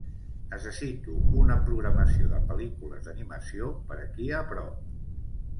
Necessito una programació de pel·lícules d"animació per aquí a prop.